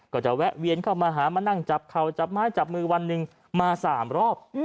ก็จะแวะเวียนเข้ามาหามานั่งจับเข่าจับไม้จับมือวันหนึ่งมา๓รอบ